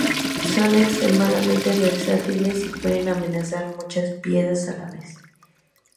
Son extremadamente versátiles y puede amenazar muchas piezas a la vez.